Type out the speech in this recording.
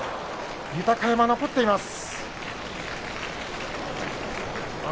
豊山、残っています。